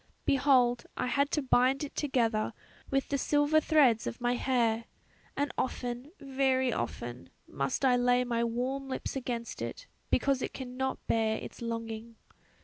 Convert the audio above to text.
Behold I had to bind it together with the silver threads of my hair and often, very often, must I lay my warm lips against it because it cannot bear its longing."